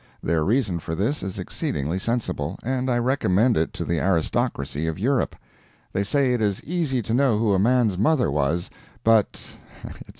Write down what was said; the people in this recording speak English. Their reason for this is exceedingly sensible, and I recommend it to the aristocracy of Europe: They say it is easy to know who a man's mother was, but, etc.